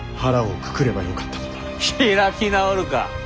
開き直るか！